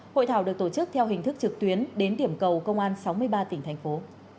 hội thảo được tổ chức theo hình thức trực tuyến đến điểm cầu công an sáu mươi ba tỉnh thành phố